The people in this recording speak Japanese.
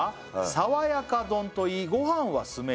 「さわやか丼といいご飯は酢飯」